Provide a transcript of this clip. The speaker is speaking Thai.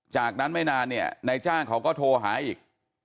จากนั้นไม่นานเนี่ยนายจ้างเขาก็โทรหาอีก